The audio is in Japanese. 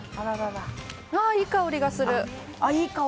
いい香りがする。